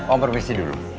om permisi dulu